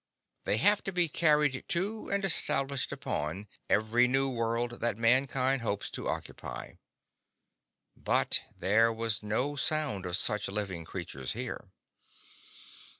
They have to be carried to and established upon every new world that mankind hopes to occupy. But there was no sound of such living creatures here.